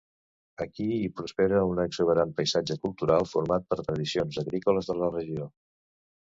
Aquí hi prospera un exuberant paisatge cultural format per tradicions agrícoles de la regió.